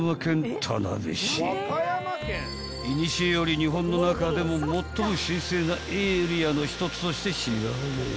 ［いにしえより日本の中でも最も神聖なエリアの一つとして知られる］